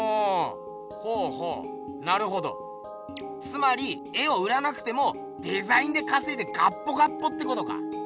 つまり絵を売らなくてもデザインでかせいでガッポガッポってことか。